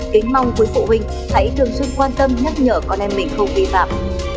kính mong với phụ huynh hãy thường xuyên quan tâm nhắc nhở con em mình không vi phạm